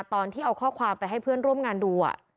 ตอนที่เอาข้อความไปให้เพื่อนร่วมงานดู